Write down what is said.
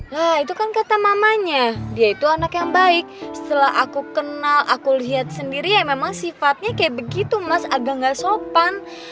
nah itu kan kata mamanya dia itu anak yang baik setelah aku kenal aku lihat sendiri ya memang sifatnya kayak begitu mas agak gak sopan